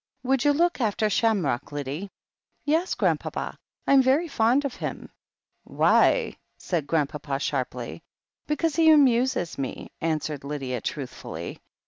'Would you look after Shamrock, Lyddie ?" 'Yes, Grandpapa, I am very fond of him." "Why?" said Grandpapa sharply. "Because he amuses me," answered Lydia truthfully.